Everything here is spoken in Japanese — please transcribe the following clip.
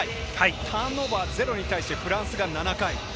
ターンオーバー、０に対してフランスが７回。